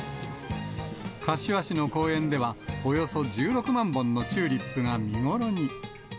柏市の公園では、およそ１６万本のチューリップが見頃に。